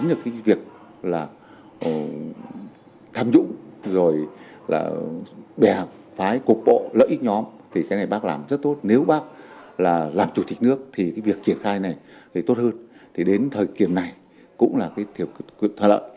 tôi thì là bè phải cuộc bộ lợi ích nhóm thì cái này bác làm rất tốt nếu bác là làm chủ tịch nước thì việc kiển khai này tốt hơn thì đến thời kiểm này cũng là cái thiệu thuận lợi